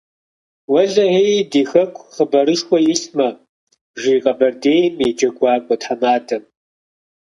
- Уэлэхьэ, ди хэку хъыбарышхуэ илъмэ, - жи Къэбэрдейм я джэгуакӀуэ тхьэмадэм.